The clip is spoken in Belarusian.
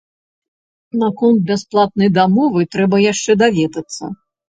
Наконт бясплатнай дамовы трэба яшчэ даведацца.